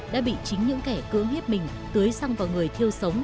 đã bị chính những kẻ cưỡng hiếp mình tưới xăng vào người thiêu sống